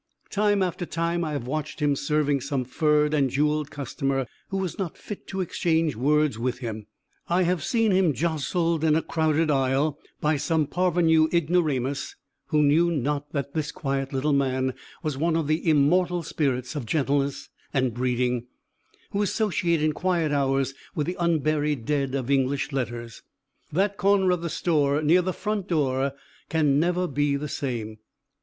Time after time I have watched him serving some furred and jewelled customer who was not fit to exchange words with him; I have seen him jostled in a crowded aisle by some parvenu ignoramus who knew not that this quiet little man was one of the immortal spirits of gentleness and breeding who associate in quiet hours with the unburied dead of English letters. That corner of the store, near the front door, can never be the same.